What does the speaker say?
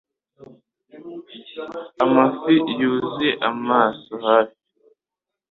Amafi yuzuye amaso hafi